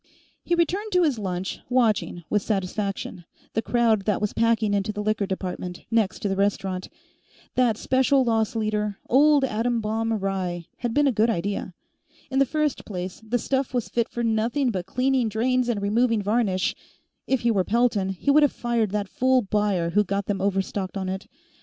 He returned to his lunch, watching, with satisfaction, the crowd that was packing into the Liquor Department, next to the restaurant. That special loss leader, Old Atom Bomb Rye, had been a good idea. In the first place, the stuff was fit for nothing but cleaning drains and removing varnish; if he were Pelton, he would have fired that fool buyer who got them overstocked on it.